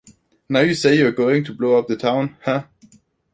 Now you say you're going to blow up the town, huh?